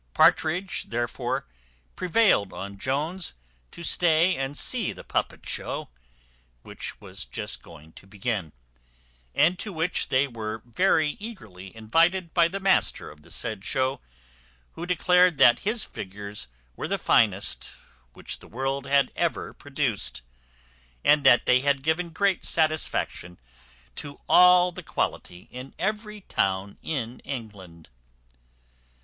Partridge therefore prevailed on Jones to stay and see the puppet show, which was just going to begin, and to which they were very eagerly invited by the master of the said show, who declared that his figures were the finest which the world had ever produced, and that they had given great satisfaction to all the quality in every town in England.